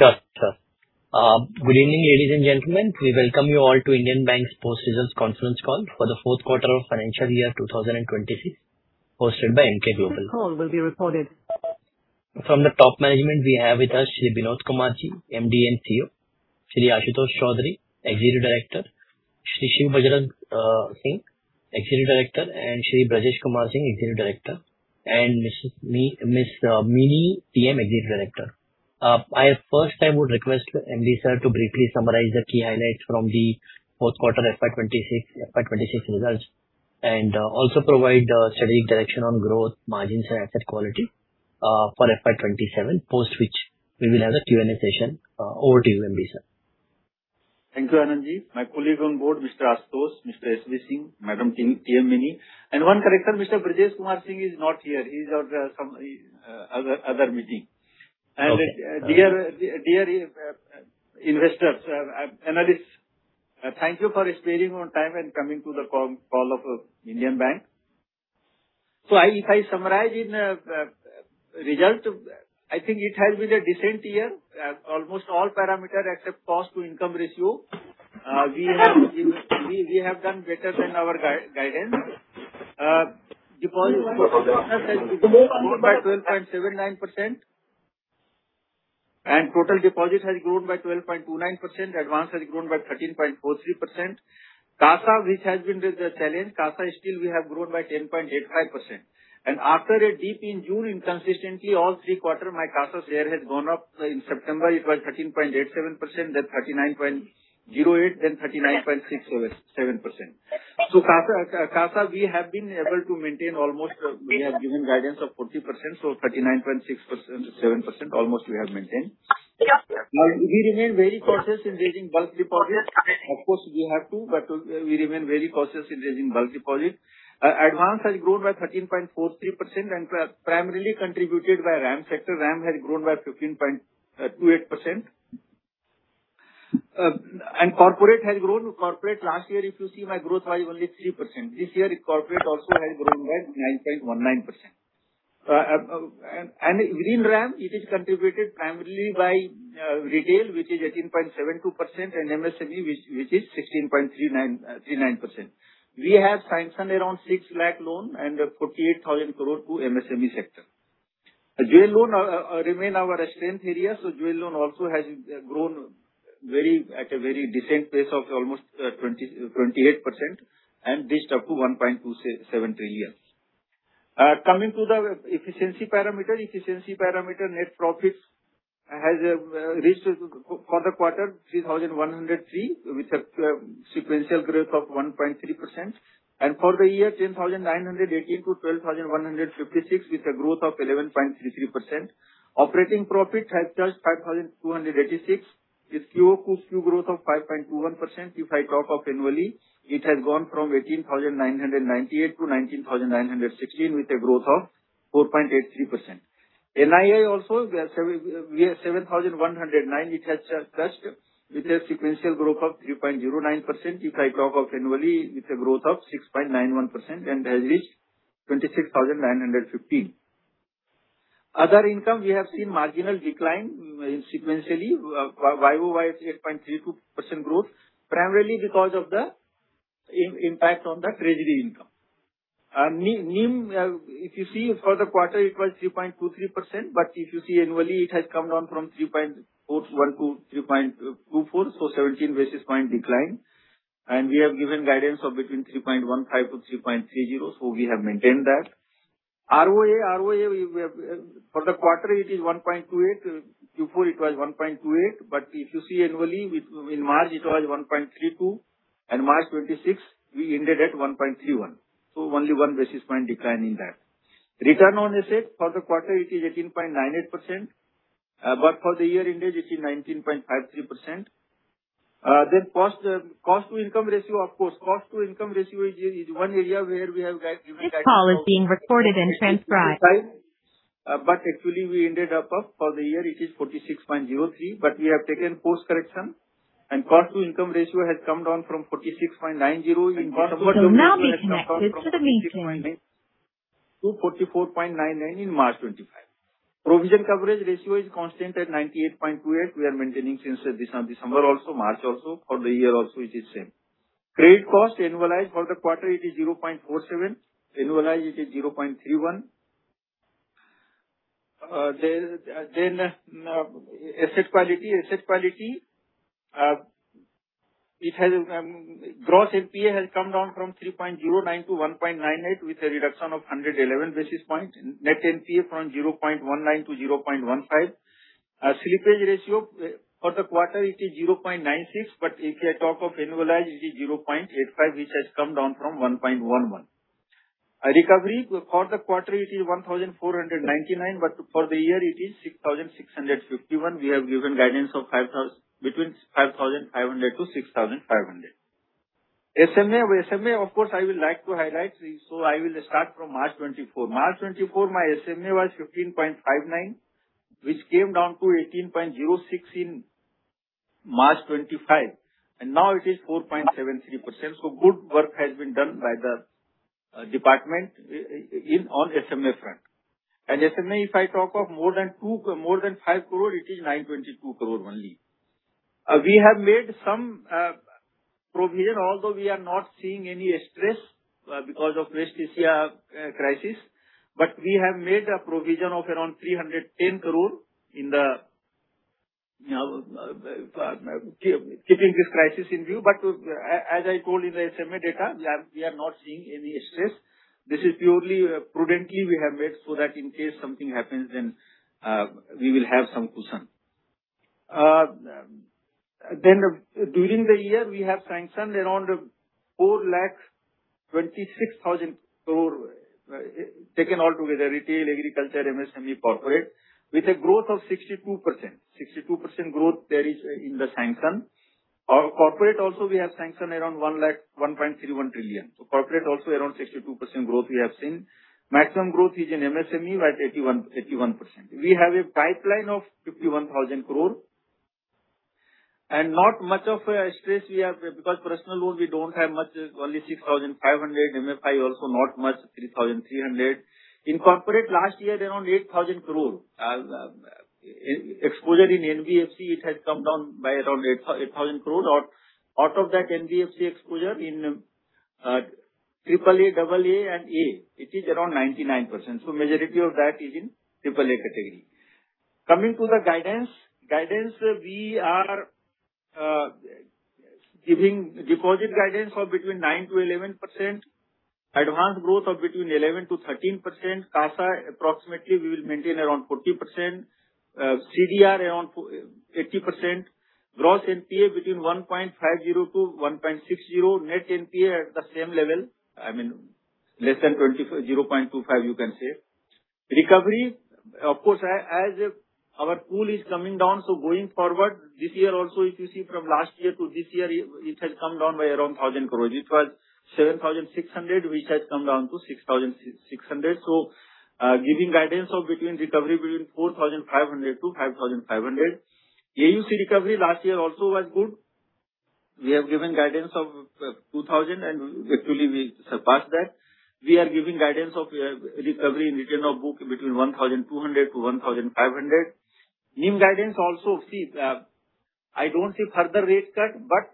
Sure, Sir. Good evening, ladies and gentlemen. We welcome you all to Indian Bank's post-results conference call for the Fourth Quarter of Financial Year 2026, hosted by Emkay Global. This call will be recorded. From the top management, we have with us Shri Binod Kumar-ji, Managing Director and Chief Eexecutive Officer; Shri Ashutosh Choudhury, Executive Director; Shri Shiv Bajrang Singh, Executive Director, and Shri Brajesh Kumar Singh, Executive Director; and Ms. Mini T. M., Executive Director. I first I would request Managing Director Sir to briefly summarize the key highlights from the fourth quarter FY 2026, FY 2026 results and also provide strategic direction on growth, margins and asset quality for FY 2027, post which we will have a Q&A session. Over to you, Managing Director Sir. Thank you, Anand Ji. My colleague on board, Mr. Ashutosh, Mr. SV Singh, Madam King, T.M. Mini. One correction, Mr. Brajesh Kumar Singh is not here. He's on some other meeting. Okay. Dear, dear investors, analysts, thank you for sparing your time and coming to the con-call of Indian Bank. I, if I summarize in result, I think it has been a decent year. Almost all parameter except cost to income ratio. We have done better than our guidance. Deposits has grown by 12.79%, and total deposits has grown by 12.29%. Advance has grown by 13.43%. CASA, which has been the challenge, CASA still we have grown by 10.85%. After a dip in June, inconsistently all three quarter, my CASA share has gone up. In September, it was 13.87%, then 39.08, then 39.67, 7%. CASA, we have been able to maintain almost, we have given guidance of 40%, so 39.6%-39.7% almost we have maintained. We remain very cautious in raising bulk deposits. Of course, we have to, but we remain very cautious in raising bulk deposits. Advance has grown by 13.43% and primarily contributed by RAM sector. RAM has grown by 15.28%. Corporate has grown. Corporate last year, if you see my growth was only 3%. This year corporate also has grown by 9.19%. Within RAM, it is contributed primarily by retail, which is 18.72%, and MSME, which is 16.39%. We have sanctioned around 6 lakh loan and 48,000 crore to MSME sector. Jewel loan remain our strength area, jewel loan also has grown very, at a very decent pace of almost 28% and reached up to 1.27 trillion. Coming to the efficiency parameter. Efficiency parameter net profits has reached for the quarter 3,103 with a sequential growth of 1.3%. For the year, 10,918 to 12,156 with a growth of 11.33%. Operating profit has touched 5,286 with QoQ growth of 5.21%. If I talk of annually, it has gone from 18,998 to 19,916 with a growth of 4.83%. NII also we are 7,109, it has touched with a sequential growth of 3.09%. If I talk of annually, with a growth of 6.91% and has reached 26,915. Other income, we have seen marginal decline, sequentially, YoY 8.32% growth, primarily because of the impact on the treasury income. NIM, if you see for the quarter, it was 3.23%, if you see annually, it has come down from 3.41 to 3.24, so 17 basis point decline. We have given guidance of between 3.15-3.30, so we have maintained that. ROA we have for the quarter it is 1.28. Q4 it was 1.28, if you see annually, in March it was 1.32 and March 2026, we ended at 1.31. Only 1 basis point decline in that. Return on asset for the quarter, it is 18.98%, for the year ended, it is 19.53%. Cost to income ratio, of course, cost to income ratio is one area where we have given guidance of, actually, we ended up. For the year, it is 46.03%, but we have taken post correction and cost-to-income ratio has come down from 46.90% in December to 44.99 in March 2025. Provision coverage ratio is constant at 98.28. We are maintaining since December also, March also, for the year also it is same. Trade cost annualized for the quarter it is 0.47. Annualized it is 0.31. Then asset quality. Asset quality, it has gross NPA has come down from 3.09 to 1.98 with a reduction of 111 basis points. Net NPA from 0.19 to 0.15. Slippage ratio for the quarter it is 0.96, but if I talk of annualized, it is 0.85, which has come down from 1.11. Recovery for the quarter it is 1,499. For the year it is 6,651. We have given guidance of between 5,500-6,500. SMA of course I would like to highlight. I will start from March 2024. March 2024, my SMA was 15.59%, which came down to 18.06% in March 2025. Now it is 4.73%. Good work has been done by the department in on SMA front. SMA, if I talk of more than five crore, it is 922 crore only. We have made some provision, although we are not seeing any stress because of RTC crisis, but we have made a provision of around 310 crore keeping this crisis in view. As I told you in the SMA data, we are not seeing any stress. This is purely prudently we have made so that in case something happens then we will have some cushion. During the year, we have sanctioned around 426,000 crore, taken all together retail, agriculture, MSME, corporate, with a growth of 62%. 62% growth there is in the sanction. Our corporate also, we have sanctioned around 1.31001 trillion. Corporate also around 62% growth we have seen. Maximum growth is in MSME at 81%. We have a pipeline of 51,000 crore and not much of a stress we have because personal loan we don't have much, only 6,500. MFI also not much, 3,300. In corporate last year around 8,000 crore. exposure in NBFC, it has come down by around 8,000 crore. Out of that NBFC exposure in triple A, double A and A, it is around 99%, so majority of that is in triple A category. Coming to the guidance. Guidance, we are giving deposit guidance of between 9%-11%, advance growth of between 11%-13%, CASA approximately we will maintain around 40%, CDR around 80%, gross NPA between 1.50%-1.60%, net NPA at the same level, I mean, less than 0.25%, you can say. Recovery, of course, as our pool is coming down, going forward this year also, if you see from last year to this year, it has come down by around 1,000 crore. It was 7,600, which has come down to 6,600. Giving guidance of between recovery between 4,500-5,500. AUCA recovery last year also was good. We have given guidance of 2,000 and actually we surpassed that. We are giving guidance of recovery in return of book between 1,200-1,500. NIM guidance also, see, I don't see further rate cut, but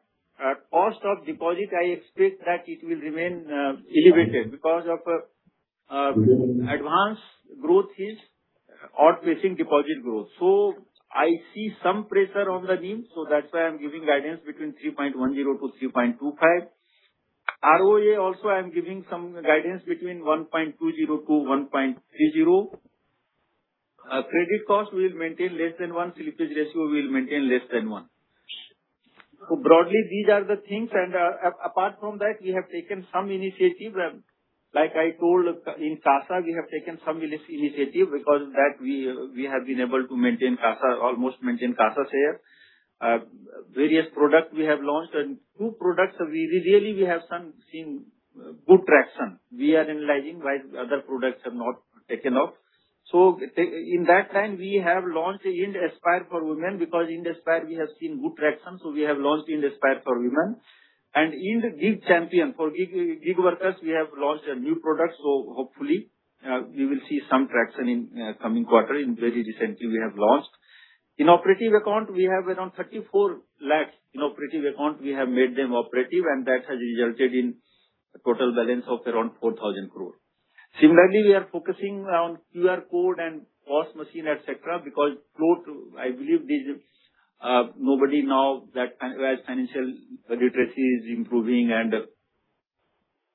cost of deposit, I expect that it will remain elevated because of advance growth is outpacing deposit growth. I see some pressure on the NIM, that's why I'm giving guidance between 3.10%-3.25%. ROA also I'm giving some guidance between 1.20%-1.30%. Credit cost we'll maintain less than 1%. Slippage ratio we'll maintain less than 1%. Broadly, these are the things and apart from that, we have taken some initiative. Like I told in CASA, we have taken some initiative. Because of that, we have been able to maintain CASA, almost maintain CASA share. Various product we have launched and two products we really have seen good traction. We are analyzing why other products have not taken off. In that time we have launched IndAspire for women because IndAspire we have seen good traction, we have launched IndAspire for women. IND-GIG CHAMPION for gig workers, we have launched a new product, so hopefully, we will see some traction in coming quarter. In very recently we have launched. Inoperative account we have around 34 lakh inoperative account. We have made them operative, and that has resulted in a total balance of around 4,000 crore. Similarly, we are focusing on QR code and POS machine, et cetera, because float, I believe these, nobody now that, as financial literacy is improving and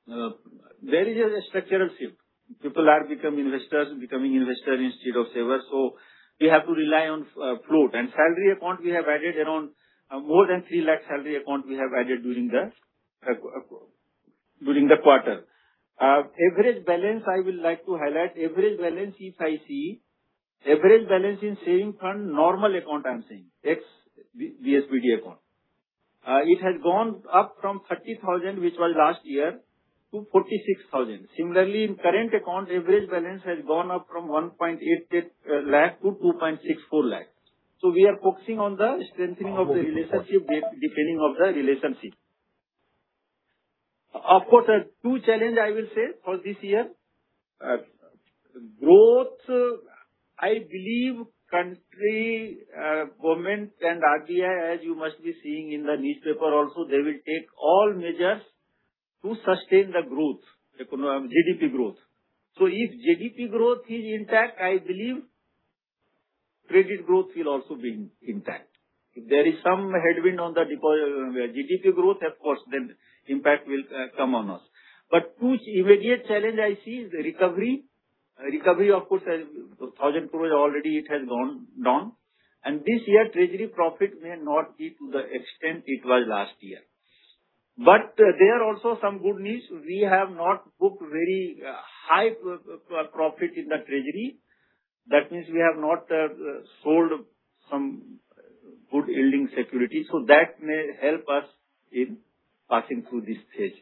there is a structural shift. People are become investors, becoming investor instead of savers, so we have to rely on float. Salary account, we have added around more than 3 lakh salary account we have added during the quarter. Average balance, I would like to highlight, average balance if I see, average balance in saving fund, normal account I'm saying, ex-BSBD account. It has gone up from 30,000, which was last year, to 46,000. Similarly, in current account, average balance has gone up from 1.88 lakh to 2.64 lakh. We are focusing on the strengthening of the relationship, deepening of the relationship. Of course, two challenge I will say for this year. Growth, I believe country, government and RBI, as you must be seeing in the newspaper also, they will take all measures to sustain the GDP growth. If GDP growth is intact, I believe credit growth will also be intact. If there is some headwind on the GDP growth, of course, then impact will come on us. Two immediate challenge I see is recovery. Recovery, of course, as 1,000 crore already it has gone down. This year treasury profit may not be to the extent it was last year. There are also some good news. We have not booked very high profit in the treasury. That means we have not sold some good yielding security, so that may help us in. Passing through this stage.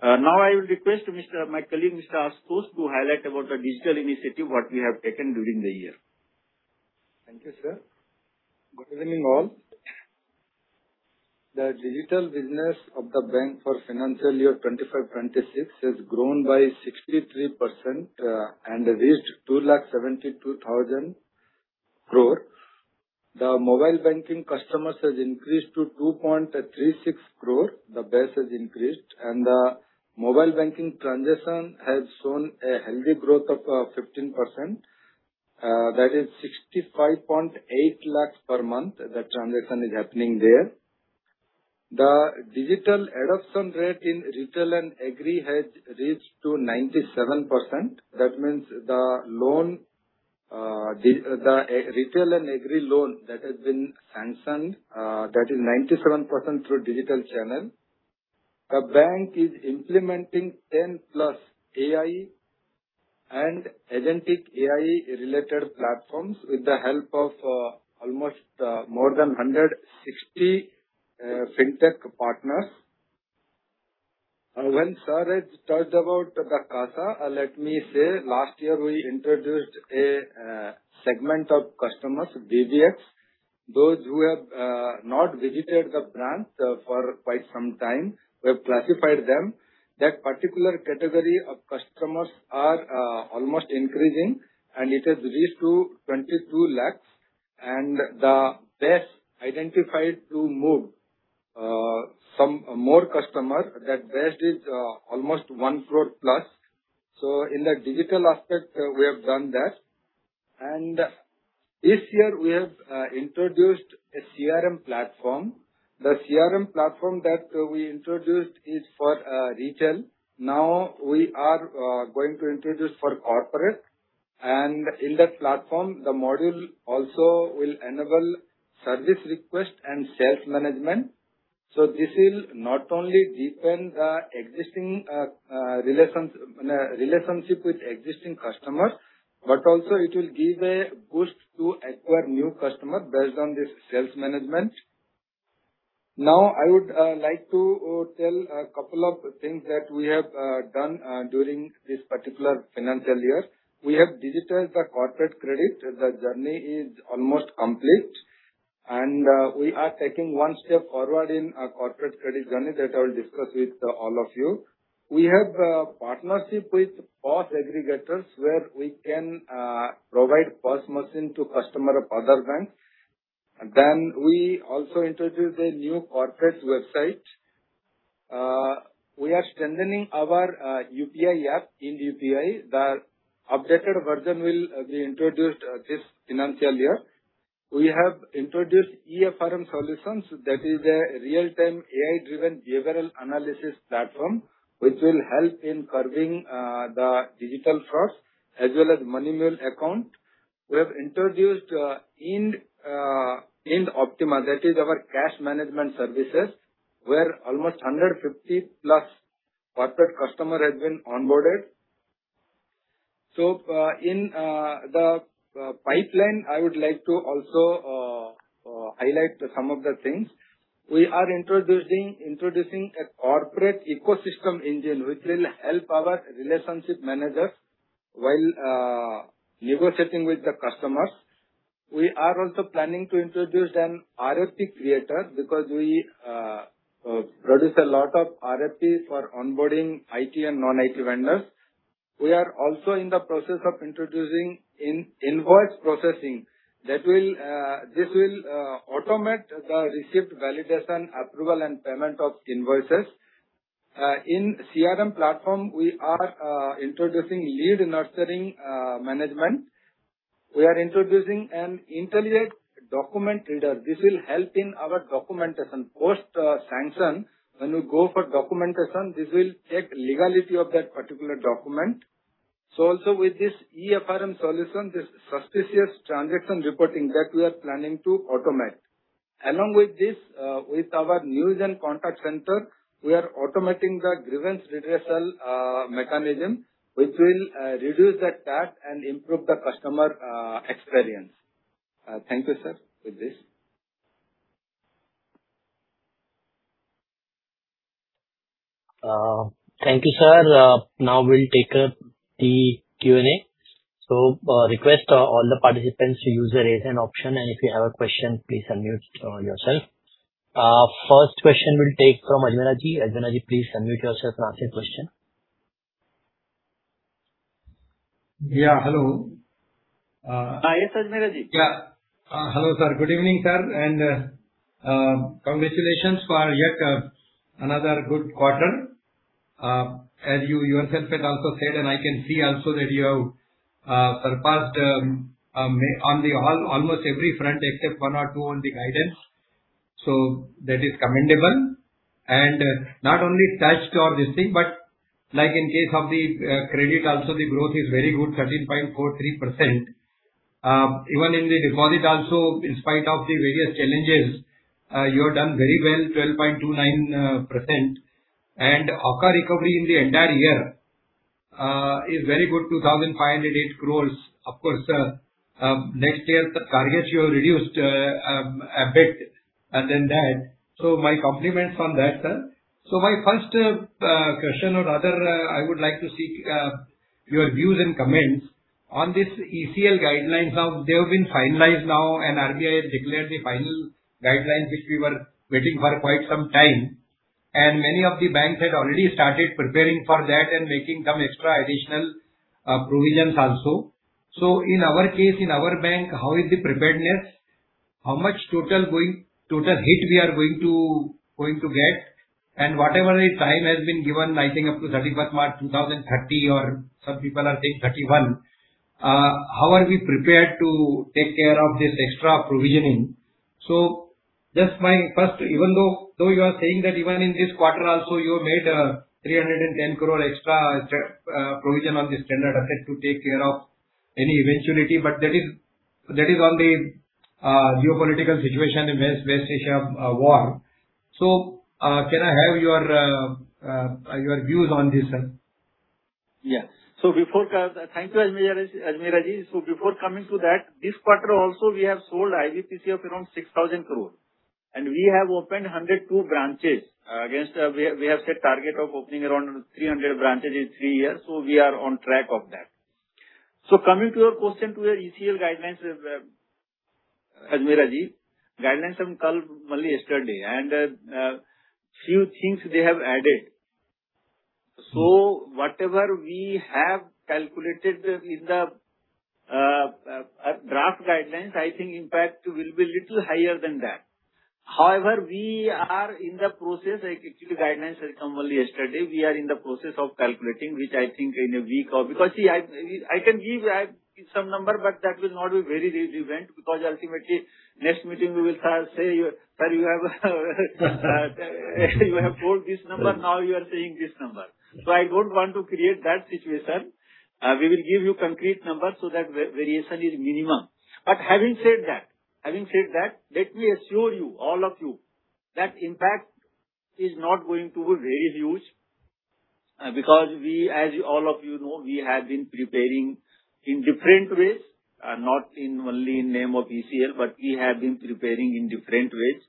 Now I will request Mr., my colleague, Mr. Ashutosh, to highlight about the digital initiative what we have taken during the year. Thank you, Sir. Good evening, all. The digital business of the bank for financial year 2025, 2026 has grown by 63% and reached 2.72 lakh crore. The mobile banking customers has increased to 2.36 crore. The base has increased, and the mobile banking transaction has shown a healthy growth of 15%. That is 65.8 lakh per month the transaction is happening there. The digital adoption rate in retail and agri has reached to 97%. That means the loan, the retail and agri loan that has been sanctioned, that is 97% through digital channel. The bank is implementing 10+ AI and agentic AI-related platforms with the help of almost more than 160 FinTech partners. When Saroj talked about the CASA, let me say last year we introduced a segment of customers, DVX. Those who have not visited the branch for quite some time, we have classified them. That particular category of customers are almost increasing, and it has reached to 22 lakhs. The base identified to move some more customer, that base is almost 1+ crore. In the digital aspect, we have done that. This year we have introduced a CRM platform. The CRM platform that we introduced is for retail. Now we are going to introduce for corporate. In that platform, the module also will enable service request and sales management. This will not only deepen the existing relationship with existing customers, but also it will give a boost to acquire new customer based on this sales management. I would like to tell a couple of things that we have done during this particular financial year. We have digitized the corporate credit. The journey is almost complete. We are taking one step forward in our corporate credit journey that I will discuss with all of you. We have a partnership with POS aggregators, where we can provide POS machine to customer of other banks. We also introduced a new corporate website. We are strengthening our UPI app in UPI. The updated version will be introduced this financial year. We have introduced EFIRM solutions. That is a real-time AI-driven behavioral analysis platform, which will help in curbing the digital frauds as well as money mule account. We have introduced IND Optima. That is our cash management services, where almost 150+ corporate customer has been onboarded. In the pipeline, I would like to also highlight some of the things. We are introducing a corporate ecosystem engine, which will help our relationship managers while negotiating with the customers. We are also planning to introduce an RFP creator because we produce a lot of RFPs for onboarding IT and non-IT vendors. We are also in the process of introducing in-invoice processing that will this will automate the receipt validation, approval, and payment of invoices. In CRM platform, we are introducing lead nurturing management. We are introducing an intelligent document reader. This will help in our documentation post sanction. When you go for documentation, this will check legality of that particular document. Also with this EFIRM solution, this suspicious transaction reporting that we are planning to automate. Along with this, with our new gen contact center, we are automating the grievance redressal mechanism, which will reduce the TAT and improve the customer experience. Thank you, Sir, with this. Thank you, Sir. Now we'll take up the Q&A. Request all the participants to use the raise hand option, and if you have a question, please unmute yourself. First question we'll take from Ajmera-ji. Ajmera-ji, please unmute yourself and ask your question. Yeah, hello. Yes, Ajmera-ji. Good evening, Sir. Congratulations for yet another good quarter. As you yourself have also said, I can see also that you have surpassed almost every front except one or two on the guidance. That is commendable. Not only touched or this thing, but like in case of the credit also the growth is very good, 13.43%. Even in the deposit also, in spite of the various challenges, you have done very well, 12.29%. AUCA recovery in the entire year is very good, 2,508 crore. Of course, Sir, next year the targets you have reduced a bit than that. My compliments on that, Sir. My first question or rather, I would like to seek your views and comments on this ECL guidelines. They have been finalized now and RBI has declared the final guidelines, which we were waiting for quite some time, and many of the banks had already started preparing for that and making some extra additional provisions also. In our case, in our bank, how is the preparedness? How much total hit we are going to get? Whatever the time has been given, I think up to 31st March 2030 or some people are saying 2031, how are we prepared to take care of this extra provisioning? Just my first… Even though you are saying that even in this quarter also, you made 310 crore extra provision on the standard asset to take care of any eventuality, that is on the geopolitical situation in West Asia war. Can I have your views on this, Sir? Yes. Thank you, Ajmera, Ajmera-ji. Coming to that, this quarter also, we have sold IBPC of around 6,000 crore, and we have opened 102 branches against we have set target of opening around 300 branches in three years. We are on track of that. Coming to your question to your ECL guidelines, Ajmera-ji, guidelines have come only yesterday, and few things they have added. Whatever we have calculated in the draft guidelines, I think impact will be little higher than that. However, we are in the process. Actually, the guidelines has come only yesterday. We are in the process of calculating, which I think in a week or. See, I can give some number, but that will not be very relevant because ultimately next meeting we will start, say, "Sir, you have told this number, now you are saying this number." I don't want to create that situation. We will give you concrete numbers so that variation is minimum. Having said that, let me assure you, all of you, that impact is not going to be very huge, because we, as all of you know, we have been preparing in different ways, not in only in name of ECL, but we have been preparing in different ways.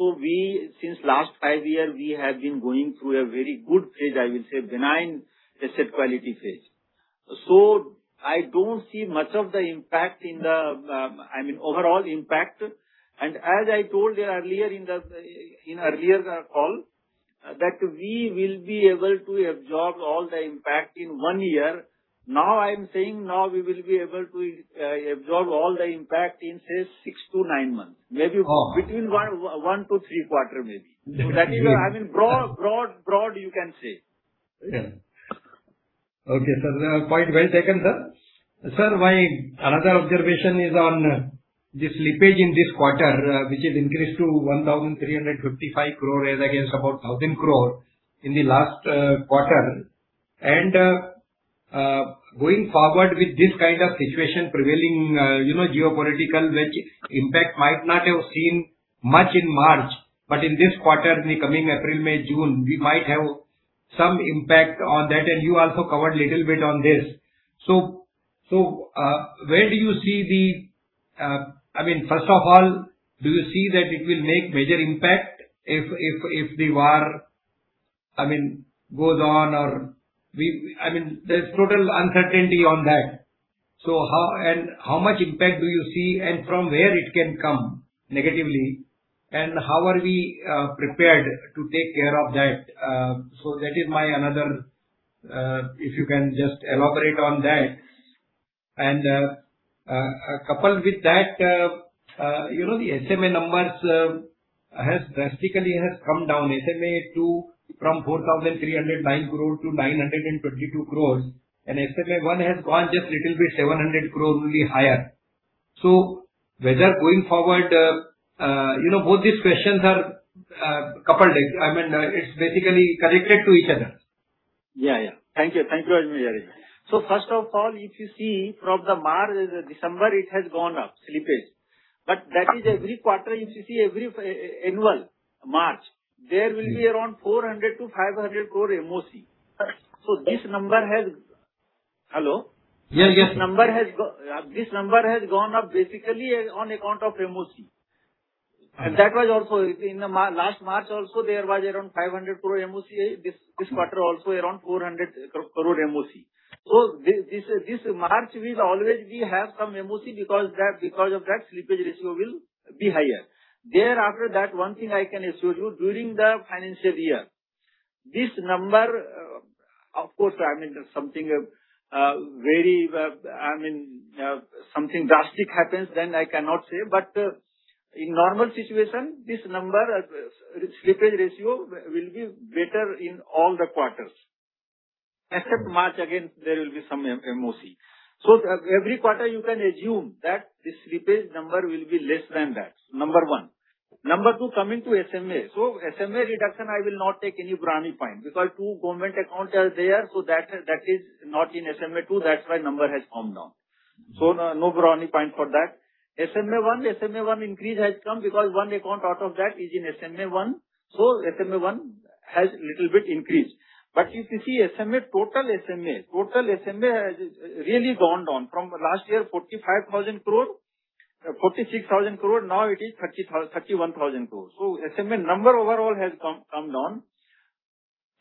We since last five year, we have been going through a very good phase, I will say benign asset quality phase. I don't see much of the impact in the, I mean, overall impact. As I told you earlier in the, in earlier call, that we will be able to absorb all the impact in one year. Now I'm saying now we will be able to absorb all the impact in, say, 6-9 months. Oh. Between 1-3 quarter, maybe. Definitely. That is what I mean, broad, broad, you can say. Yeah. Okay, Sir. The point well taken, Sir. Sir, my another observation is on this slippage in this quarter, which has increased to 1,355 crore as against about 1,000 crore in the last quarter. Going forward with this kind of situation prevailing, you know, geopolitical, which impact might not have seen much in March, but in this quarter, in the coming April, May, June, we might have some impact on that. You also covered a little bit on this. I mean, first of all, do you see that it will make major impact if the war, I mean, goes on or I mean, there's total uncertainty on that. How and how much impact do you see and from where it can come negatively, and how are we prepared to take care of that? That is my another, if you can just elaborate on that. Coupled with that, you know, the SMA numbers has drastically has come down. SMA-2 from 4,309 crore to 922 crore, and SMA-1 has gone just little bit, 700 crore only higher. Whether going forward, you know, both these questions are coupled, I mean, it's basically connected to each other. Yeah. Thank you. Thank you, Ajmera-ji. First of all, if you see from the March, December, it has gone up, slippage. That is every quarter, if you see every annual March, there will be around 400 crore-500 crore MOC. Hello? Yes, yes. This number has gone up basically on account of MOC. Right. That was also in the last March also there was around 500 crore MOC. This quarter also around 400 crore MOC. This March will always we have some MOC because that, because of that, slippage ratio will be higher. There, after that, one thing I can assure you, during the financial year, this number, of course, I mean, something very, I mean, something drastic happens, then I cannot say. But in normal situation, this number, slippage ratio will be better in all the quarters. Except March, again, there will be some MOC. Every quarter you can assume that the slippage number will be less than that, number one. Number two, coming to SMA. SMA reduction, I will not take any brownie point because two government accounts are there. That is not in SMA-2, that's why number has come down. So no brownie point for that. SMA-1 increase has come because one account out of that is in SMA-1, so SMA-1 has little bit increased. If you see SMA, total SMA has really gone down. From last year 45,000 crore, 46,000 crore, now it is 31,000 crore. SMA number overall has come down.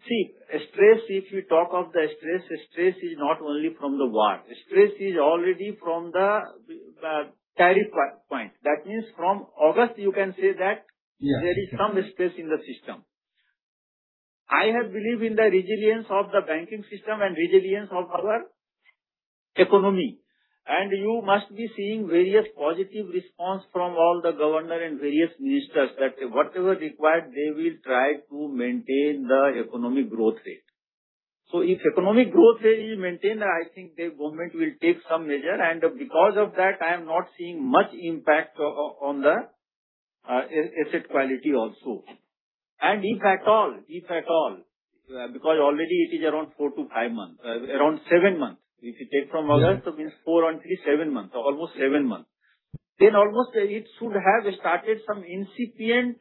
Stress, if we talk of the stress is not only from the VaR. Stress is already from the tariff point. That means from August you can say that there is some stress in the system. I believe in the resilience of the banking system and resilience of our economy. You must be seeing various positive response from all the Governors and various ministers that whatever required they will try to maintain the economic growth rate. If economic growth rate is maintained, I think the government will take some measure, and because of that I am not seeing much impact on the asset quality also. If at all, because already it is around 4-5 months, around seven months. If you take from August means four and three, seven months, almost seven months. Almost it should have started some incipient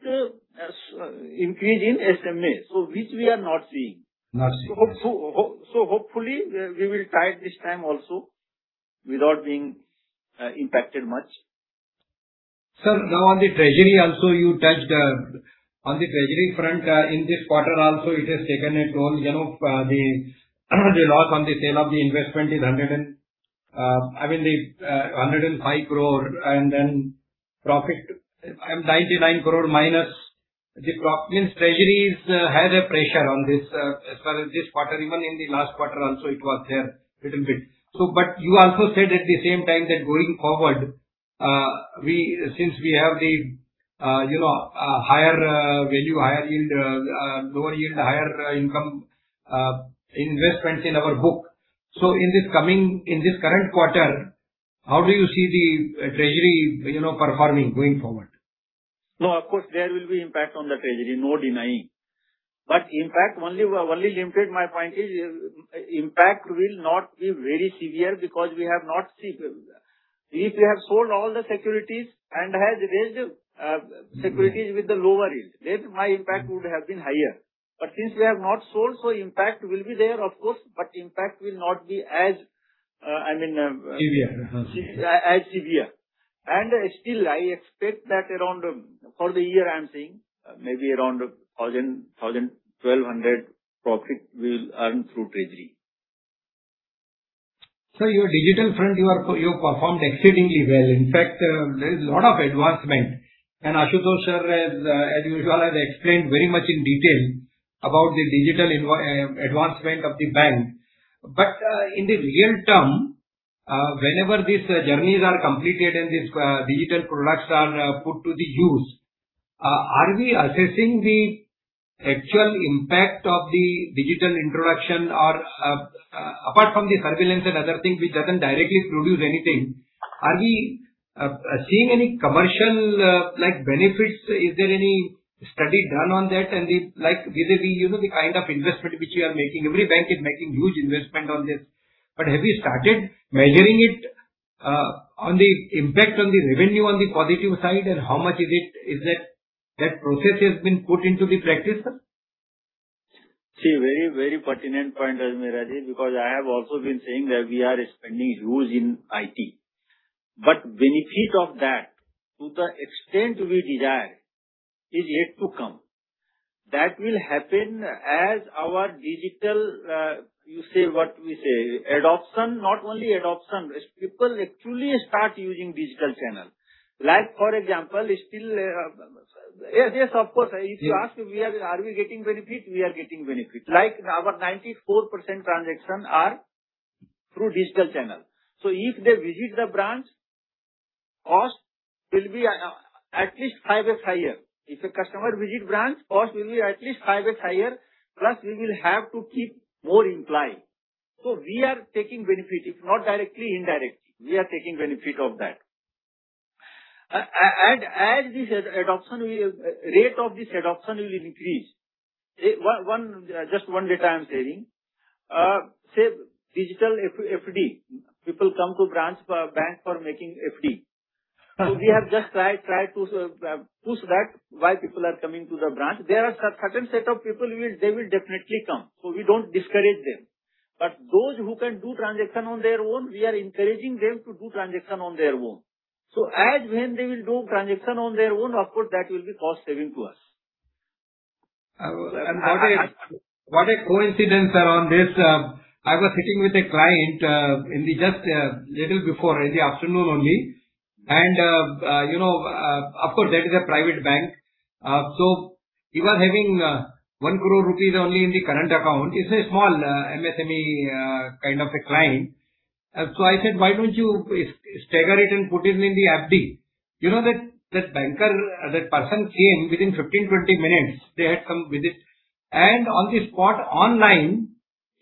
increase in SMA, so which we are not seeing. Not seeing. Hopefully, we will tide this time also without being impacted much. Sir, now on the treasury also you touched on the treasury front, in this quarter also it has taken a toll. You know, the loss on the sale of the investment is 105 crore and then profit 99 crore minus the profit. Means treasury had a pressure on this as far as this quarter. Even in the last quarter also it was there little bit. You also said at the same time that going forward, we, since we have the, you know, higher value, higher yield, lower yield, higher income investments in our book. In this coming, in this current quarter, how do you see the treasury, you know, performing going forward? No, of course there will be impact on the treasury, no denying. Impact only limited my point is, impact will not be very severe because we have not. If we have sold all the securities and has raise with the lower yield, then my impact would have been higher. Since we have not sold, so impact will be there, of course, but impact will not be as, I mean. Severe. Okay. As severe. Still I expect that around for the year I am saying, maybe around 1,200 profit we will earn through treasury. Sir, your digital front you performed exceedingly well. In fact, there is lot of advancement. Ashutosh, Sir has, as usual, has explained very much in detail about the digital advancement of the bank. In the real term, whenever these journeys are completed and these digital products are put to the use, are we assessing the actual impact of the digital introduction or, apart from the surveillance and other things which doesn't directly produce anything, are we seeing any commercial, like, benefits? Is there any study done on that? The, like, the, you know, the kind of investment which we are making. Every bank is making huge investment on this. Have you started measuring it, on the impact on the revenue on the positive side, and how much is that process has been put into the practice, Sir? Very, very pertinent point, Ajmera-ji, I have also been saying that we are spending huge in IT. Benefit of that to the extent we desire is yet to come. That will happen as our digital adoption. Not only adoption, as people actually start using digital channel. Like for example, still, Yes, of course. Yes. If you ask, are we getting benefit? We are getting benefit. Like our 94% transaction are through digital channel. If they visit the branch, cost will be at least 5x higher. If a customer visit branch, cost will be at least 5x higher, plus we will have to keep more employee. We are taking benefit. If not directly, indirectly, we are taking benefit of that. As this adoption will, rate of this adoption will increase, just one data I'm sharing. Say digital FD. People come to branch for bank for making FD. We have just try to push that why people are coming to the branch. There are certain set of people will, they will definitely come, so we don't discourage them. Those who can do transaction on their own, we are encouraging them to do transaction on their own. As when they will do transaction on their own, of course that will be cost saving to us. What a, what a coincidence around this. I was sitting with a client in the just little before, in the afternoon only. You know, of course that is a private bank. So he was having 1 crore rupees only in the current account. It's a small MSME kind of a client. So I said, "Why don't you stagger it and put it in the FD?" You know that that banker, that person came within 15, 20 minutes. They had come with it. On the spot online,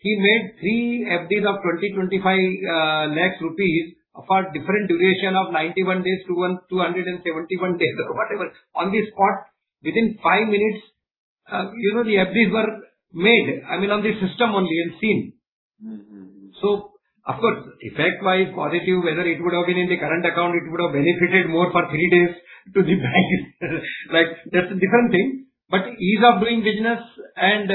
he made three FD of 20 lakhs rupees, 25 lakhs rupees for different duration of 91 days to 1,271 days or whatever. On the spot, within five minutes, you know, the FDs were made, I mean, on the system only, we have seen. Of course, effect-wise, qualitative, whether it would have been in the current account, it would have benefited more for three days to the bank. Like that's a different thing. Ease of doing business and,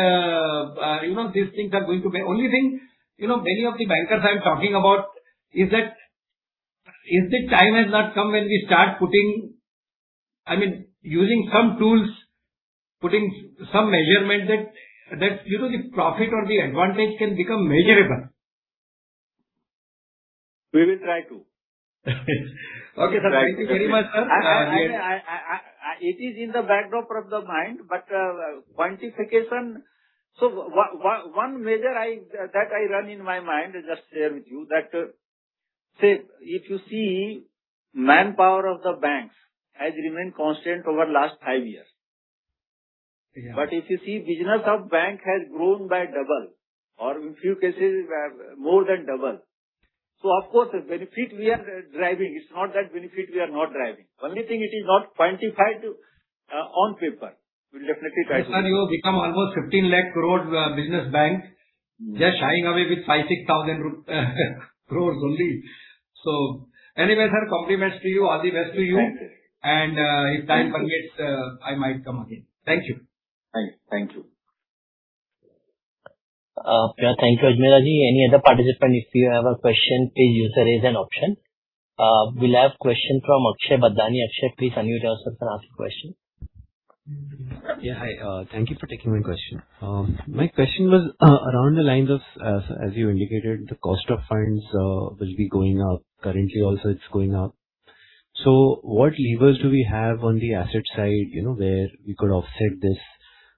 you know, these things are going to be. Only thing, you know, many of the bankers I am talking about is that, the time has not come when we start using some tools, putting some measurement that, you know, the profit or the advantage can become measurable. We will try to. Okay, Sir. Thank you very much, Sir. It is in the backdrop of the mind, but quantification. One measure that I run in my mind, I just share with you that if you see manpower of the banks has remained constant over last five years. Yeah. If you see business of bank has grown by double or in few cases more than double. Of course, the benefit we are driving, it's not that benefit we are not driving. Only thing it is not quantified on paper. We'll definitely try to do. Sir, you have become almost 15 lakh crores business bank just shying away with 5,000 crore- 6,000 crores only. Anyway, Sir, compliments to you. All the best to you. Thank you. If time permits, I might come again. Thank you. Thank you. Thank you, Ajmera-ji. Any other participant, if you have a question, please use raise hand option. We'll have question from Akshay Badlani. Akshay, please unmute yourself and ask the question. Yeah. Hi, thank you for taking my question. My question was around the lines of, as you indicated, the cost of funds will be going up. Currently also it's going up. What levers do we have on the asset side, you know, where we could offset this?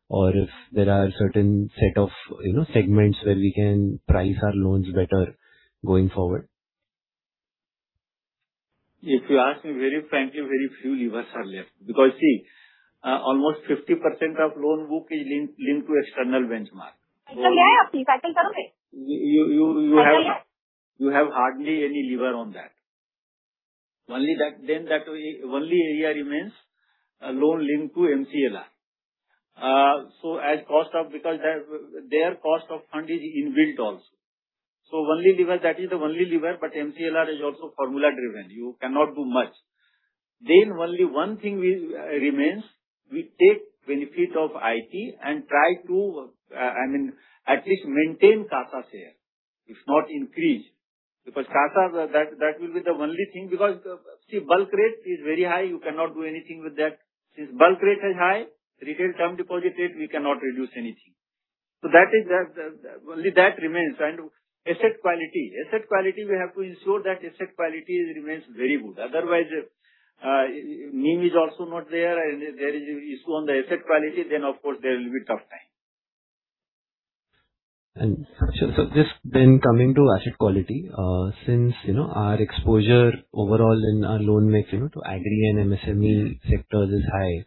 Or if there are certain set of, you know, segments where we can price our loans better going forward. If you ask me very frankly, very few levers are left because, see, almost 50% of loan book is linked to external benchmark. You have hardly any lever on that. That only area remains a loan linked to MCLR. Because their cost of fund is inbuilt also. Only lever, that is the only lever, but MCLR is also formula-driven. You cannot do much. Only one thing remains. We take benefit of IT and try to, I mean, at least maintain CASA share, if not increase. Because CASA that will be the only thing because, see, bulk rate is very high. You cannot do anything with that. Since bulk rate is high, retail term deposit rate, we cannot reduce anything. That is the only that remains. Asset quality. Asset quality we have to ensure that asset quality remains very good. Otherwise, NIM is also not there and there is issue on the asset quality, then of course there will be tough time. Just then coming to asset quality, since, you know, our exposure overall in our loan mix, you know, to Agri and MSME sectors is high.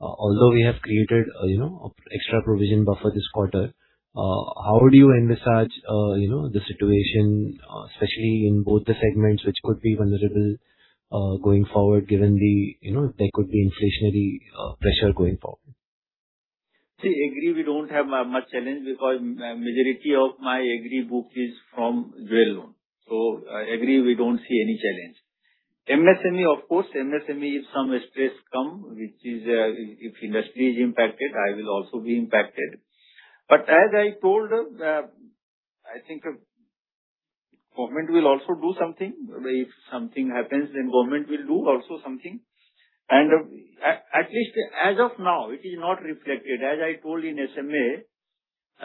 Although we have created, you know, extra provision buffer this quarter, how do you envisage, you know, the situation, especially in both the segments which could be vulnerable, going forward, given the, you know, there could be inflationary pressure going forward? Agri we don't have much challenge because majority of my Agri book is from jewel loan. Agri we don't see any challenge. MSME, of course, MSME if some stress come, which is, if industry is impacted, I will also be impacted. As I told, I think government will also do something. If something happens, then government will do also something. At least as of now, it is not reflected, as I told in SMA.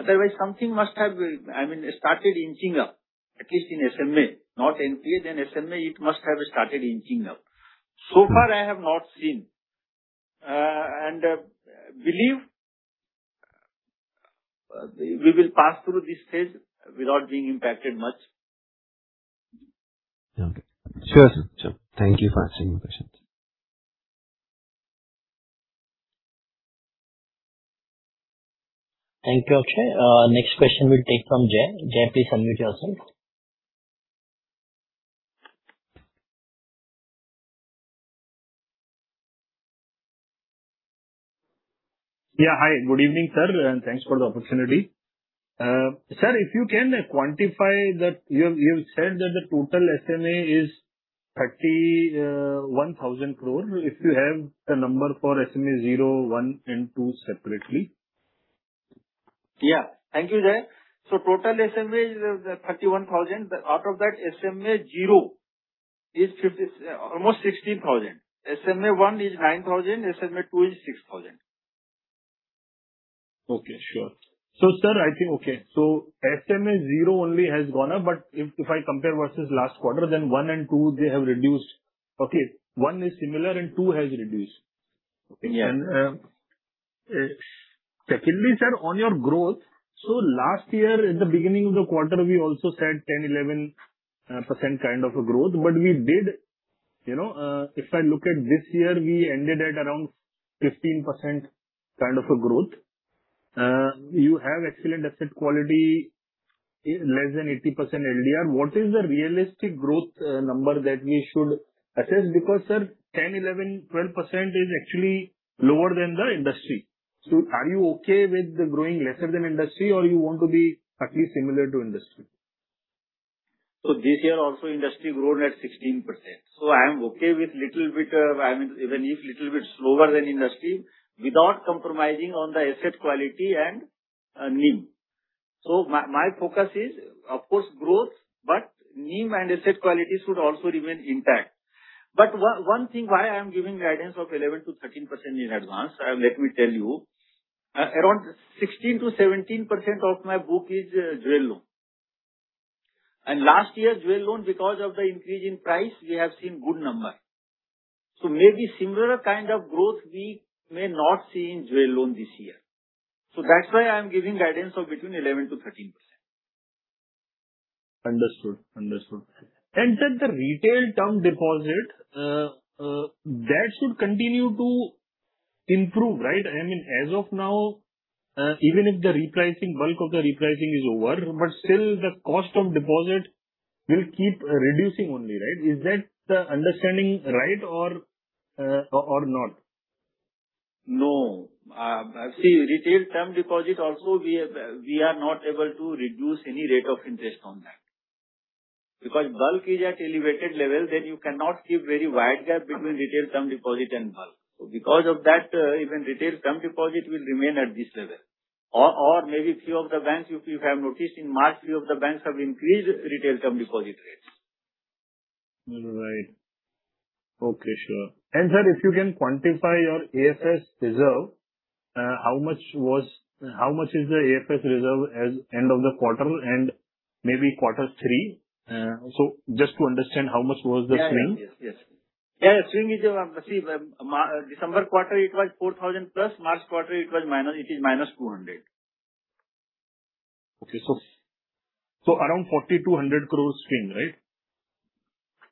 Otherwise something must have, I mean, started inching up, at least in SMA. Not NPA, then SMA it must have started inching up. So far I have not seen. Believe, we will pass through this phase without being impacted much. Okay. Sure, Sir. Thank you for answering my questions. Thank you, Akshay. Next question we'll take from Jay. Jay, please unmute yourself. Yeah. Hi. Good evening, Sir, and thanks for the opportunity. Sir, if you can quantify that you've said that the total SMA is 31,000 crores. If you have the number for SMA-0, SMA-1 and SMA-2 separately? Yeah. Thank you, Jay. Total SMA is 31,000. Out of that, SMA-0 is almost 16,000. SMA-1 is 9,000, SMA-2 is 6,000. Okay. Sure. Sir, I think, okay. SMA-0 only has gone up. If I compare versus last quarter, then SMA-1 and SMA-2, they have reduced. Okay. One is similar and two has reduced. Yeah. Secondly, Sir, on your growth. Last year at the beginning of the quarter, we also said 10%, 11% kind of a growth. We did, you know, if I look at this year, we ended at around 15% kind of a growth. You have excellent asset quality. Is less than 80% LDR. What is the realistic growth number that we should assess? Sir, 10%, 11%, 12% is actually lower than the industry. Are you okay with the growing lesser than industry or you want to be at least similar to industry? This year also industry grown at 16%. I am okay with little bit, I mean, even if little bit slower than industry without compromising on the asset quality and NIM. My focus is of course growth, but NIM and asset quality should also remain intact. One thing why I'm giving guidance of 11%-13% in advance, let me tell you, around 16%-17% of my book is jewel loan. Last year jewel loan, because of the increase in price, we have seen good number. Maybe similar kind of growth we may not see in jewel loan this year. That's why I'm giving guidance of between 11%-13%. Understood. Then the retail term deposit that should continue to improve, right? I mean, as of now, even if the repricing, bulk of the repricing is over, but still the cost of deposit will keep reducing only, right? Is that understanding right or not? See, retail term deposit also we are not able to reduce any rate of interest on that. Bulk is at elevated level, you cannot keep very wide gap between retail term deposit and bulk. Because of that, even retail term deposit will remain at this level. Maybe few of the banks, if you have noticed in March, few of the banks have increased retail term deposit rates. All right. Okay, sure. Sir, if you can quantify your AFS reserve, how much is the AFS reserve as end of the quarter and maybe quarter three? Just to understand how much was the swing. Yeah, yes. Swing is December quarter it was 4,000+, March quarter it was minus, it is -200. Okay. Around 4,200 crores swing, right?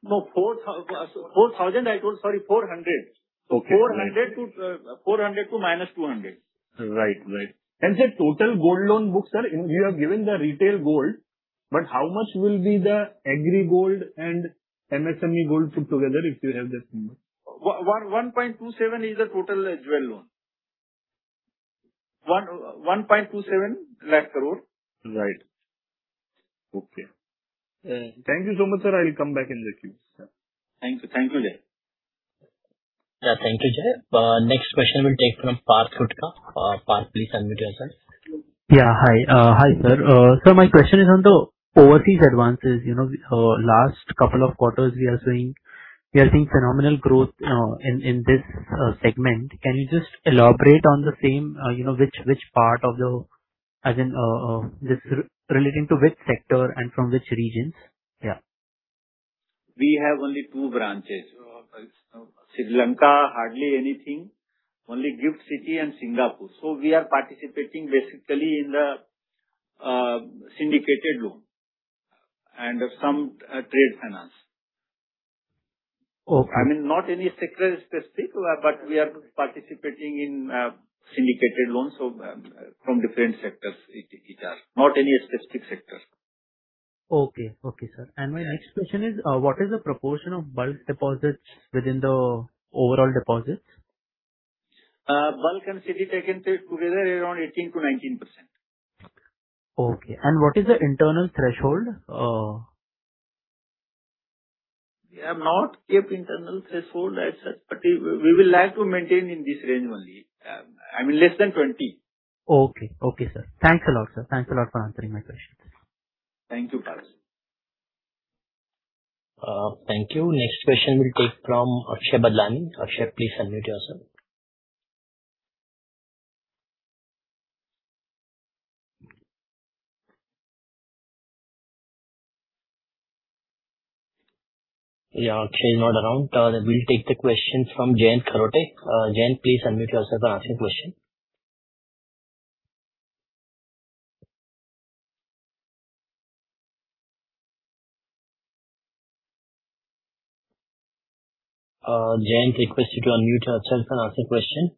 No, 4,000 I told, sorry, 400. Okay. 400 to -200. Right. Right. Sir, total gold loan books, Sir, you have given the retail gold, but how much will be the agri gold and MSME gold put together, if you have that number? One point two seven is the total jewel loan. 1.27 lakh crore. Right. Okay. Yeah. Thank you so much, Sir. I will come back in the queue, Sir. Thank you. Thank you, Jay. Thank you, Jay. Next question we will take from Parth Gutka. Parth, please unmute yourself. Yeah. Hi. Hi, Sir. Sir, my question is on the overseas advances. You know, last two quarters we are seeing phenomenal growth in this segment. Can you just elaborate on the same, you know, as in, this relating to which sector and from which regions? Yeah. We have only two branches. Sri Lanka, hardly anything. Only Gift City and Singapore. We are participating basically in the syndicated loan and some trade finance. Okay. I mean, not any sector specific, but we are participating in syndicated loans, so from different sectors it are. Not any specific sector. Okay. Okay, Sir. My next question is, what is the proportion of bulk deposits within the overall deposits? Bulk and CD taken together around 18%-19%. Okay. What is the internal threshold? We have not kept internal threshold as such, but we will like to maintain in this range only. I mean, less than 20. Okay. Okay, Sir. Thanks a lot, Sir. Thanks a lot for answering my questions. Thank you, Parth. Thank you. Next question we'll take from Akshay Badlani. Akshay, please unmute yourself. Akshay is not around. We'll take the question from Jayant Kharote. Jayant, please unmute yourself and ask your question. Jayant, request you to unmute yourself and ask your question.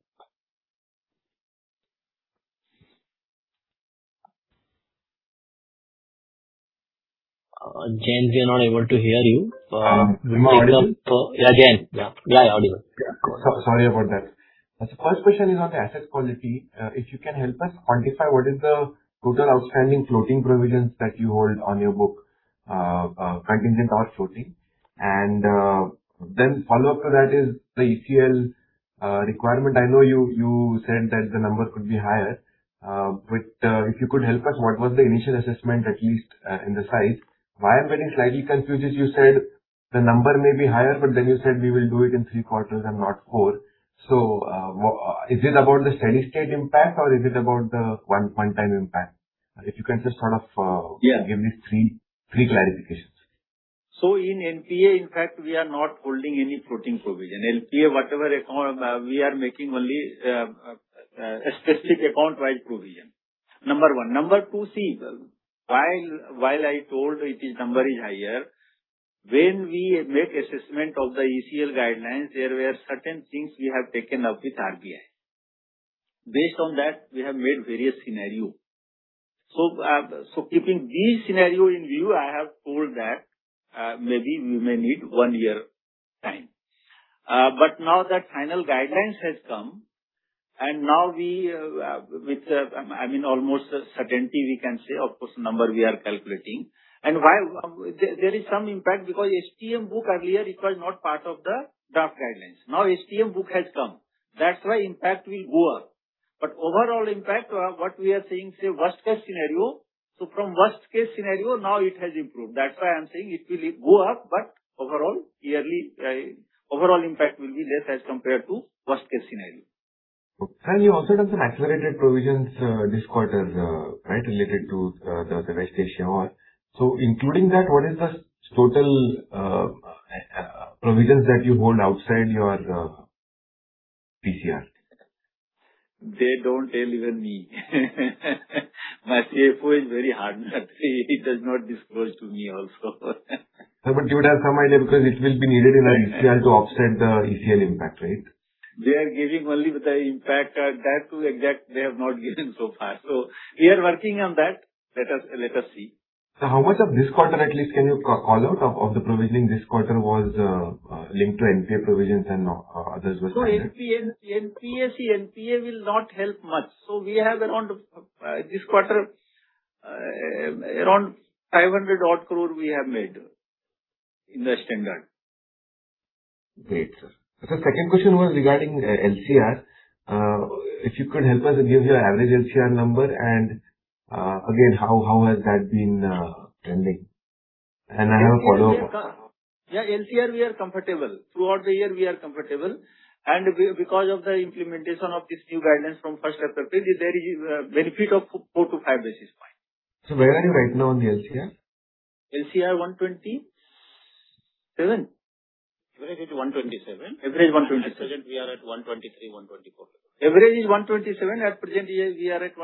Jayant, we are not able to hear you. You hear me? Yeah, Jayant. Yeah. Yeah, audible. Sorry about that. First question is on the asset quality. If you can help us quantify what is the total outstanding floating provisions that you hold on your book, contingent or floating. Then follow-up to that is the ECL requirement. I know you said that the number could be higher, but if you could help us, what was the initial assessment, at least, in the size? Why I'm getting slightly confused is you said the number may be higher, but then you said we will do it in three quarters and not four. Is it about the steady state impact or is it about the one time impact? If you can just sort of. Yeah. Give me three clarifications. In NPA, in fact, we are not holding any floating provision. NPA, whatever account, we are making only a specific account-wide provision. Number one. Number two, see, while I told it is number is higher, when we make assessment of the ECL guidelines, there were certain things we have taken up with RBI. Based on that, we have made various scenario. Keeping these scenario in view, I have told that maybe we may need one year time. Now that final guidelines has come, and now we, with, I mean, almost certainty we can say, of course, number we are calculating. While there is some impact because STM book earlier it was not part of the draft guidelines. Now STM book has come. That's why impact will go up. Overall impact, what we are saying, say worst-case scenario. From worst-case scenario, now it has improved. That's why I'm saying it will go up, but overall yearly, overall impact will be less as compared to worst-case scenario. Sir, you also done some accelerated provisions, this quarter, right, related to the West Asia war. Including that, what is the total provisions that you hold outside your PCR? They don't tell even me. My Chief Financial Officer is very hard nut. He does not disclose to me also. No, you would have some idea because it will be needed in the ECL to offset the ECL impact, right? They are giving only the impact. That to exact they have not given so far. We are working on that. Let us see. Now, how much of this quarter at least can you call out of the provisioning this quarter was linked to NPA provisions and others were standard? NPA, see, NPA will not help much. We have around this quarter around 500 odd crore we have made in the standard. Great, Sir. Sir, second question was regarding LCR. If you could help us give your average LCR number and again, how has that been trending? I have a follow-up. Yeah, LCR we are comfortable. Throughout the year we are comfortable. Because of the implementation of this new guidance from 1st April, there is a benefit of 4-5 basis point. Where are you right now on the LCR? LCR 127. Average is 127%. Average 127%. At present we are at 123%-124%. Average is 127%. At present we are at 123%-124%.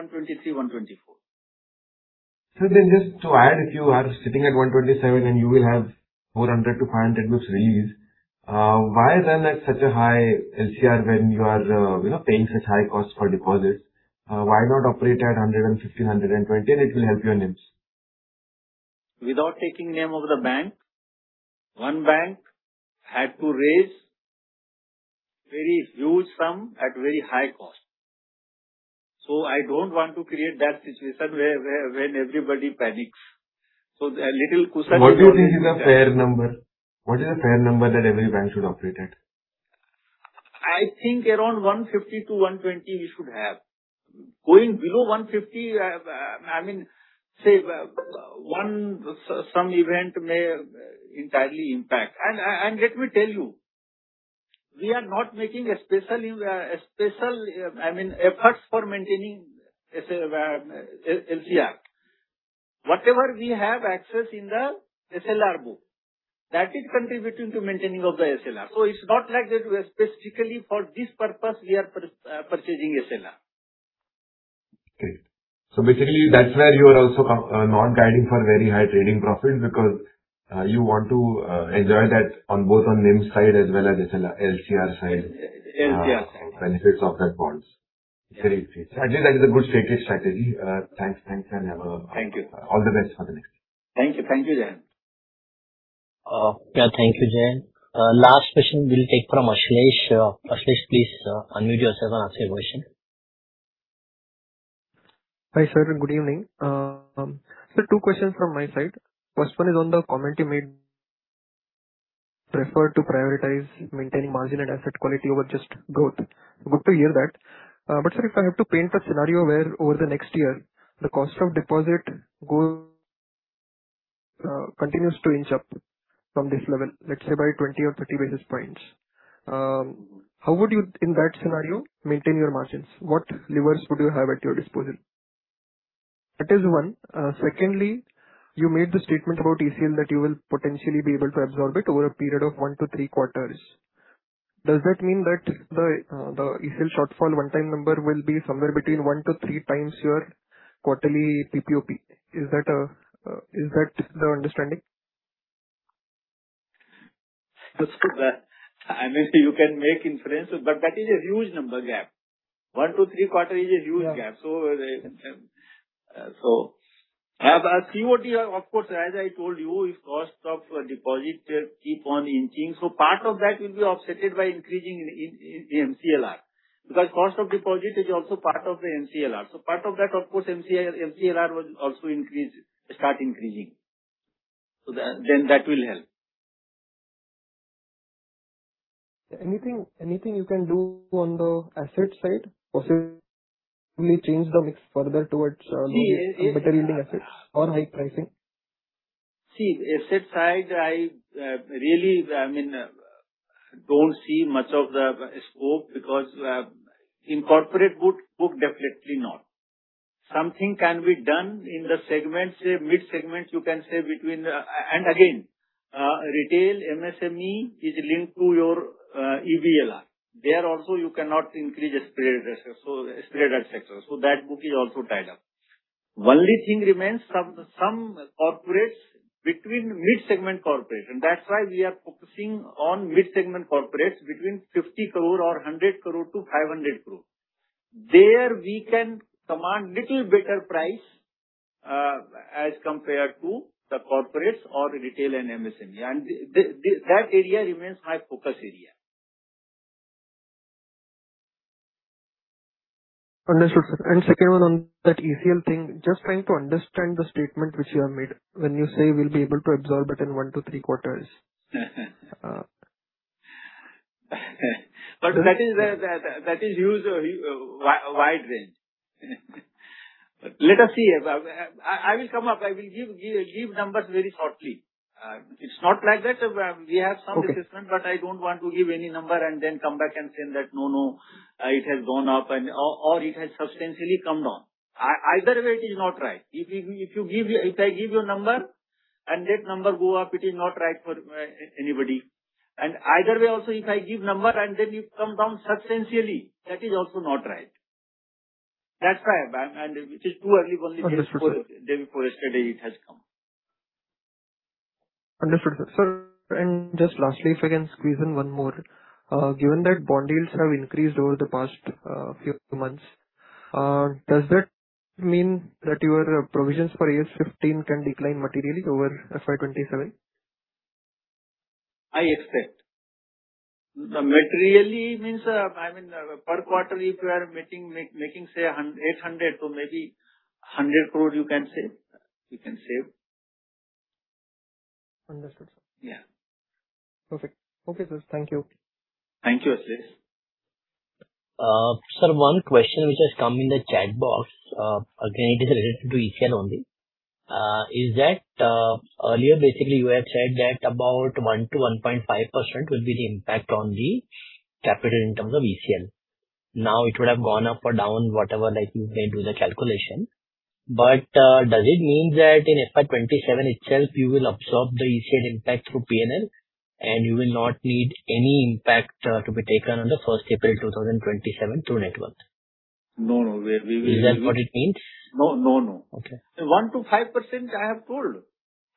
Sir, just to add, if you are sitting at 127% and you will have 400%-500% which release, why then at such a high LCR when you are, you know, paying such high costs for deposits, why not operate at 115%, 120%, and it will help your NIMs? Without taking name of the bank, one bank had to raise very huge sum at very high cost. I don't want to create that situation where, when everybody panics. A little cushion is always good. What do you think is a fair number? What is a fair number that every bank should operate at? I think around 150% to 120% we should have. Going below 150%, I mean, say, some event may entirely impact. Let me tell you, we are not making a special, a special, I mean, efforts for maintaining LCR. Whatever we have access in the SLR book, that is contributing to maintaining of the SLR. It's not like that we are specifically for this purpose we are purchasing SLR. Great. Basically that's where you are also non-guiding for very high trading profits because you want to enjoy that on both on NIM side as well as LCR side. LCR side. Benefits of that bonds. Very clear. Actually, that is a good stated strategy. Thanks. Thank you. All the best for the next. Thank you. Thank you, Jayant. Yeah, thank you, Jayant. Last question we'll take from Ashlesh. Ashlesh, please, unmute yourself and ask your question. Hi, Sir, and good evening. Sir, two questions from my side. First one is on the comment you made, prefer to prioritize maintaining margin and asset quality over just growth. Good to hear that. Sir, if I have to paint a scenario where over the next year the cost of deposit continues to inch up from this level, let's say by 20 or 30 basis points, how would you in that scenario maintain your margins? What levers would you have at your disposal? That is one. Secondly, you made the statement about ECL that you will potentially be able to absorb it over a period of 1-3 quarters. Does that mean that the ECL shortfall one-time number will be somewhere between 1x-3x your quarterly PPOP? Is that the understanding? That's good. I mean, you can make inference, that is a huge number gap. 1-3 quarter is a huge gap. Yeah. As Chief of Executive Officer, of course, as I told you, if cost of deposit keep on inching, part of that will be offsetted by increasing in MCLR because cost of deposit is also part of the MCLR. Part of that, of course, MCLR will also increase, start increasing. Then that will help. Anything you can do on the asset side possibly change the mix further towards the better yielding assets or high pricing? See, asset side, I, really, I mean, don't see much of the scope because, in corporate book definitely not. Something can be done in the segments, say mid segments you can say between. Again, retail MSME is linked to your EBLR. There also you cannot increase EBLR-linked assets. That book is also tied up. Only thing remains from some corporates between mid-segment corporation. That's why we are focusing on mid-segment corporates between 50 crore or 100 crore-500 crore. There we can command little better price as compared to the corporates or retail and MSME. That area remains my focus area. Understood, Sir. Second, one on that ECL thing. Just trying to understand the statement which you have made when you say we'll be able to absorb it in one to three quarters. That is a that is used wide range. Let us see. I will come up. I will give numbers very shortly. It's not like that. We have some assessment. Okay. I don't want to give any number and then come back and say that, "No, no, it has gone up," or it has substantially come down. Either way, it is not right. If I give you a number and that number go up, it is not right for anybody. Either way, also, if I give number and then it come down substantially, that is also not right. That's why, it is too early. Only day before. Understood, Sir. Day before yesterday it has come. Understood, Sir. Sir, just lastly, if I can squeeze in one more. Given that bond yields have increased over the past few months, does that mean that your provisions for AS 15 can decline materially over FY 2027? I expect. Materially means, per quarter, if you are making, say, 800 crore to maybe 100 crore, you can save. You can save. Understood, Sir. Yeah. Perfect. Okay, Sir. Thank you. Thank you, Ashlesh. Sir, one question which has come in the chat box, again, it is related to ECL only. Is that, earlier, basically you have said that about 1%-.5% will be the impact on the capital in terms of ECL. Now it would have gone up or down, whatever, like you may do the calculation. Does it mean that in FY 2027 itself you will absorb the ECL impact through P&L and you will not need any impact to be taken on the 1st April 2027 through net worth? No, no. We will. Is that what it means? No, no. Okay. 1%-5% I have told.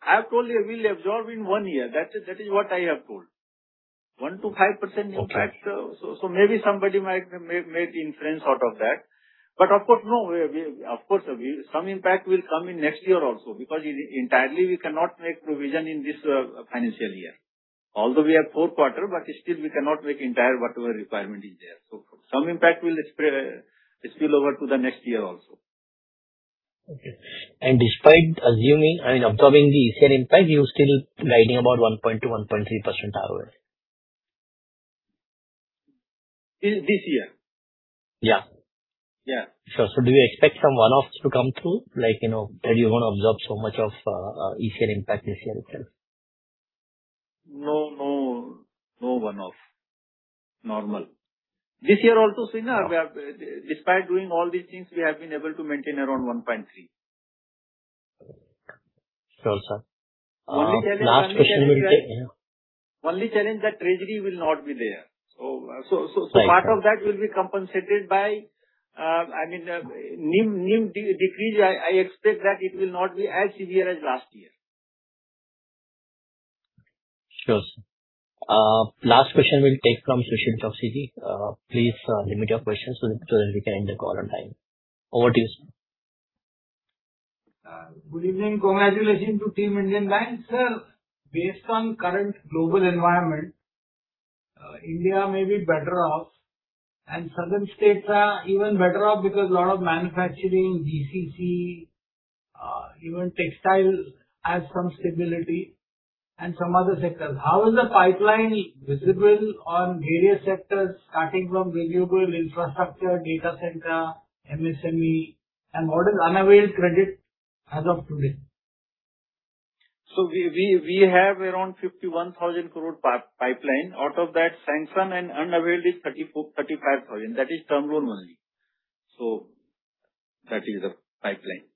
I have told you we'll absorb in 1 year. That is what I have told. 1%-5% impact. Okay. Maybe somebody might make inference out of that. Of course, no. We of course, some impact will come in next year also, because entirely we cannot make provision in this financial year. Although we have four quarters, but still we cannot make entire whatever requirement is there. Some impact will spill over to the next year also. Okay. Despite assuming, I mean, absorbing the ECL impact, you're still guiding about 1.0%-1.3% ROA? In this year? Yeah. Yeah. Sure. Do you expect some one-offs to come through? Like, you know, that you won't absorb so much of ECL impact this year itself? No, no. No one-off. Normal. This year also, now we have, despite doing all these things, we have been able to maintain around 1.3%. Sure, Sir. Only challenge that treasury. Last question we'll take, yeah. Only challenge that treasury will not be there. Part of that will be compensated by, I mean, NIM de-decrease. I expect that it will not be as severe as last year. Sure, Sir. Last question we'll take from Sushil from Citi. Please limit your question so that we can end the call on time. Over to you, Sir. Good evening. Congratulations to team Indian Bank. Sir, based on current global environment, India may be better off and southern states are even better off because a lot of manufacturing, GCC, even textile has some stability and some other sectors. How is the pipeline visible on various sectors starting from renewable infrastructure, data center, MSME, and what is unavailed credit as of today? We have around 51,000 crore pipeline. Out of that, sanction and unavailed is 34,000-35,000. That is term loan only. That is the pipeline.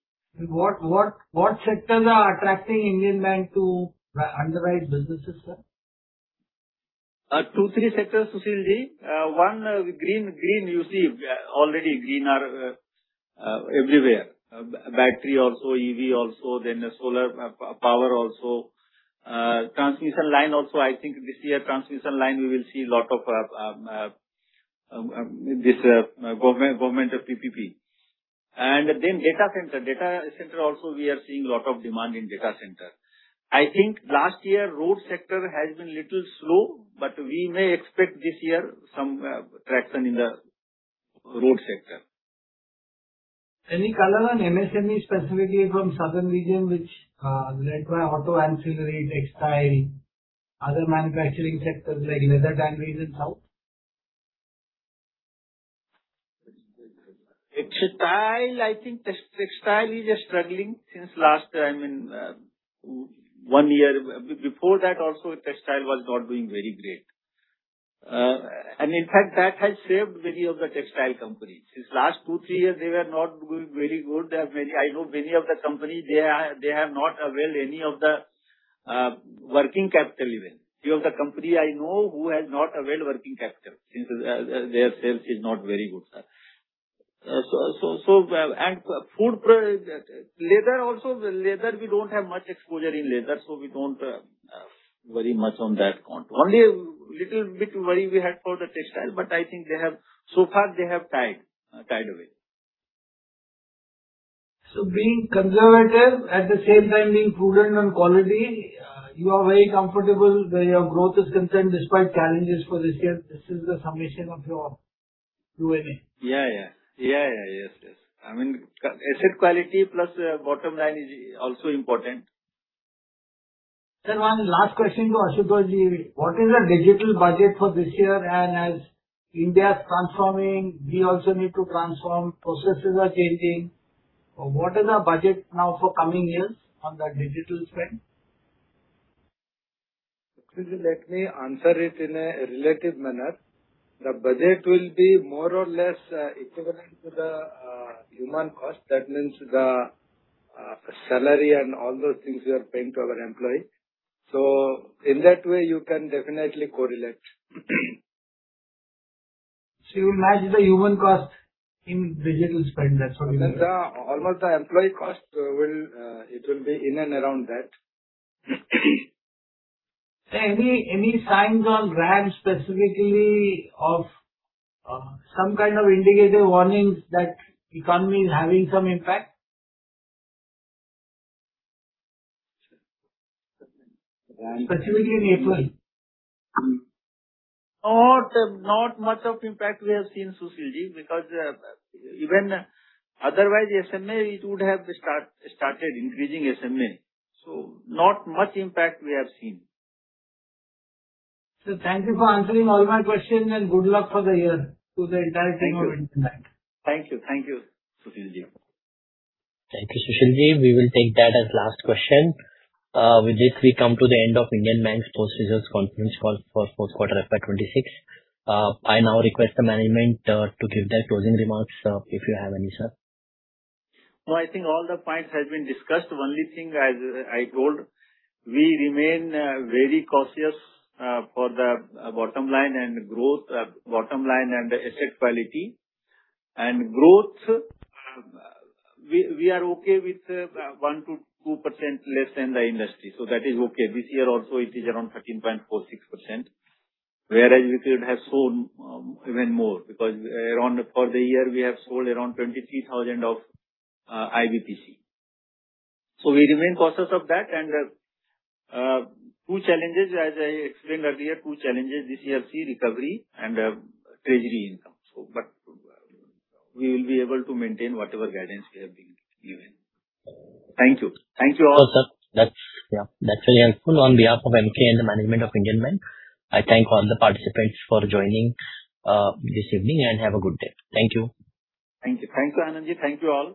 What sectors are attracting Indian Bank to underwrite businesses, Sir? Two, three sectors, Sushil-ji. One, green, you see, already green are everywhere. Battery also, EV also, then solar power also. Transmission line also. I think this year, transmission line we will see lot of this government PPP. Then data center. Data center also we are seeing lot of demand in data center. I think last year road sector has been little slow, but we may expect this year some traction in the road sector. Any color on MSME, specifically from southern region, which led by auto ancillary, textile, other manufacturing sectors like leather and resin south? Textile, I think textile is struggling since last one year. Before that also textile was not doing very great. In fact, that has saved many of the textile companies. Since last two, three years, they were not doing very good. There are many I know many of the company, they are, they have not availed any of the working capital event. We have the company I know who has not availed working capital since their sales is not very good, Sir. So, leather also. The leather we don't have much exposure in leather, so we don't worry much on that front. Only a little bit worry we had for the textile, I think they have. So far they have tied away. Being conservative, at the same time being prudent on quality, you are very comfortable where your growth is concerned despite challenges for this year. This is the summation of your Q&A. Yeah, yeah. Yeah, yeah. Yes, yes. I mean, asset quality plus, bottom line is also important. Sir, one last question to Ashutosh-ji. What is the digital budget for this year? As India is transforming, we also need to transform, processes are changing. What is our budget now for coming years on the digital spend? Sushil, let me answer it in a relative manner. The budget will be more or less equivalent to the human cost. That means the salary and all those things we are paying to our employee. In that way, you can definitely correlate. You will match the human cost in digital spend. That is what you mean. Almost the employee cost will, it will be in and around that. Sir, any signs on RAM specifically of some kind of indicative warnings that economy is having some impact? RAM? Specifically in April. Not much of impact we have seen, Sushil-ji, because even otherwise SMA it would have started increasing SMA. Not much impact we have seen. Sir, thank you for answering all my questions and good luck for the year to the entire team of Indian Bank. Thank you. Thank you. Thank you, Sushil-ji. Thank you, Sushil-ji. We will take that as last question. With this we come to the end of Indian Bank's post-results conference call for fourth quarter FY 2026. I now request the management to give their closing remarks, if you have any, Sir. No, I think all the points have been discussed. Only thing as I told, we remain very cautious for the bottom line and asset quality. Growth, we are okay with 1%-2% less than the industry, so that is okay. This year also it is around 13.46%, whereas we could have sold even more because for the year we have sold around 23,000 of IBPC. We remain cautious of that. Two challenges as I explained earlier, two challenges this year see recovery and treasury income. We will be able to maintain whatever guidance we have been given. Thank you. Thank you all. Sure, Sir. That's very helpful. On behalf of Emkay and the management of Indian Bank, I thank all the participants for joining this evening. Have a good day. Thank you. Thank you. Thanks, Anand-ji. Thank you all.